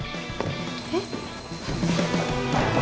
えっ？